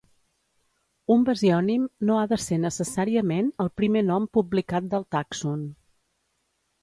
Un basiònim no ha de ser necessàriament el primer nom publicat del tàxon.